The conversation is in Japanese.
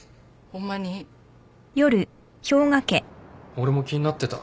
俺も気になってた。